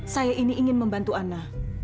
saya ini ingin membantu ana